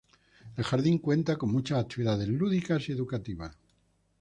El jardín cuenta con muchas actividades lúdicas y educativas.